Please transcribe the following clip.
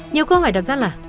nhiều câu hỏi đặt ra là